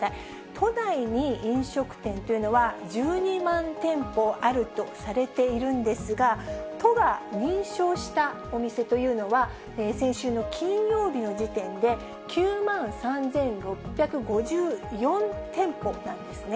都内に飲食店というのは、１２万店舗あるとされているんですが、都が認証したお店というのは、先週の金曜日の時点で、９万３６５４店舗なんですね。